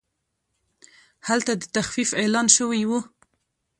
هلته د تخفیف اعلان شوی و.